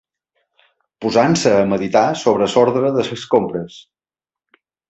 Posant-se a meditar sobre l'ordre de les compres